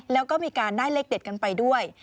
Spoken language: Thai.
แล้วก็มีการได้เลขเด็ดกันไปด้วย